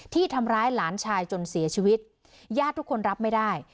ที่ทำร้ายหลานชายจนเสียชีวิตญาติทุกคนรับไม่ได้